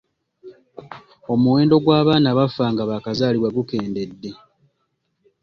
Omuwendo gw’abaana abafa nga baakazaalibwa gukendedde.